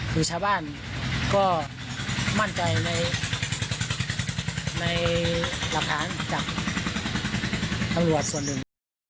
คือชาวบ้านก็มั่นใจในหลักฐานจากตำรวจส่วนหนึ่ง